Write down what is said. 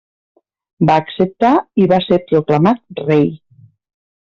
Va acceptar i va ser proclamat rei.